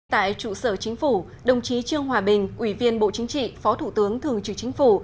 tại trụ sở chính phủ đồng chí trương hòa bình ủy viên bộ chính trị phó thủ tướng thường trực chính phủ